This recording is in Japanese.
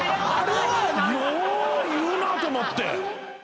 よう言うなと思って。